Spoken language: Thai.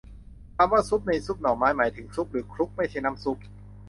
คำว่า ซุบ ในซุบหน่อไม้ หมายถึง ชุบ หรือ คลุก ไม่ใช่น้ำซุป